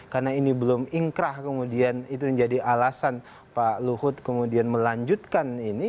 karena ini belum ingkrah kemudian itu menjadi alasan pak luhut kemudian melanjutkan ini